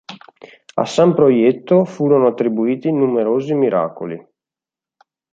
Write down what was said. A San Proietto furono attribuiti numerosi miracoli.